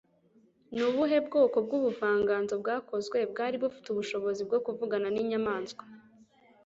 Ni ubuhe bwoko bw'ubuvanganzo, bwakozwe bwari bufite ubushobozi bwo kuvugana n'inyamaswa